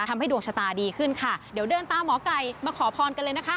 ทำให้ดวงชะตาดีขึ้นค่ะเดี๋ยวเดินตามหมอไก่มาขอพรกันเลยนะคะ